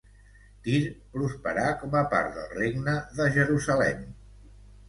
Tir prosperà com a part del Regne de Jerusalem.